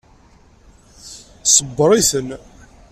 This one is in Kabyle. Ṣebber-iten.